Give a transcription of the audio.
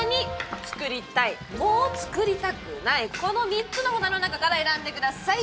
この３つの札の中から選んでください